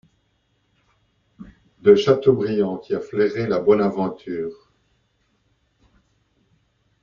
De Châteaubriand qui a flairé la bonne aventure.